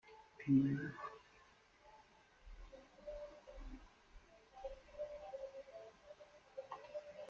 Nach einer Spielzeit in Istanbul wechselte Music zu Antalyaspor.